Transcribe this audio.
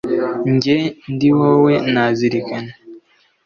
jye ndi wowe nazirikana